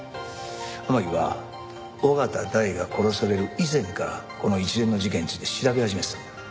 天樹は緒方大が殺される以前からこの一連の事件について調べ始めてたんだ。